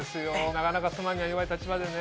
なかなか妻には弱い立場でね。